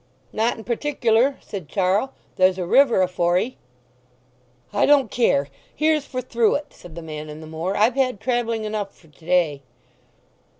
"Not in particular," said Charl. "There's a river afore 'ee." "I don't care—here's for through it!" said the man in the moor. "I've had travelling enough for to day."